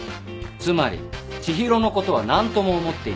つまり知博のことは何とも思っていない。